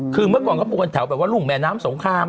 คือเมื่อก่อนเขาปลูกกันแถวแบบว่ารุ่งแม่น้ำสงคราม